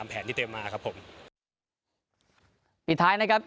ปิดท้ายนะครับ